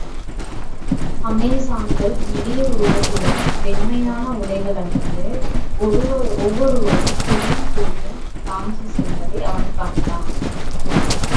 அமெசான்கள் நெடிய உருவத்துடன், வெண்மையான உடைகளணிந்து, ஒவ்வொருவரும் வில்லும் தூணியும் தாங்கிச் செல்வதை அவன் கண்டான்.